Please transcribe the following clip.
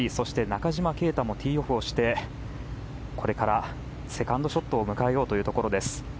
中島啓太もティーオフをしてこれからセカンドショットを迎えようというところです。